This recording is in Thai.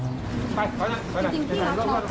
จริงพี่รักน้องไหมคะ